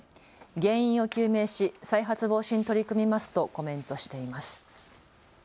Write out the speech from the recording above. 原因を究明し再発防止に取り組みますとコメントしています。